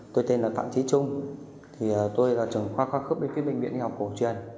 tôi tên là phạm trí trung tôi là trưởng khoa khoa khúc bên phía bệnh viện y học cổ truyền